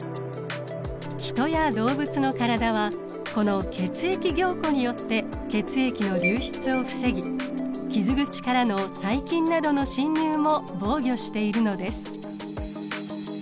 ヒトや動物の体はこの血液凝固によって血液の流出を防ぎ傷口からの細菌などの侵入も防御しているのです。